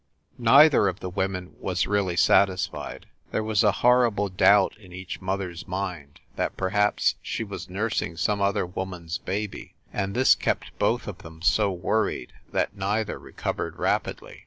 Neither of the women was really satisfied. There was a horrible doubt in each mother s mind that per THE BREWSTER MANSION 333 haps she was nursing some other woman s baby, and this kept both of them so worried that neither re covered rapidly.